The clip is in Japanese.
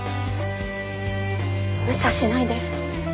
むちゃしないで。